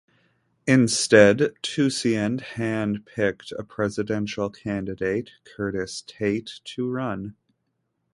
Instead, Toussaint hand-picked a presidential candidate, Curtis Tate, to run.